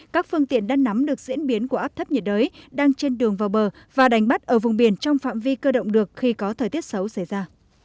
các phương tiện đang nắm được diễn biến của áp thấp nhiệt đới đang trên đường vào bờ và đánh bắt ở vùng biển trong phạm vi cơ động được khi có thời tiết xấu xảy ra